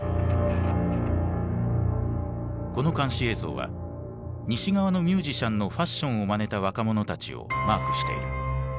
この監視映像は西側のミュージシャンのファッションをまねた若者たちをマークしている。